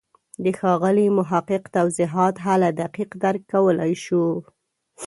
د ښاغلي محق توضیحات هله دقیق درک کولای شو.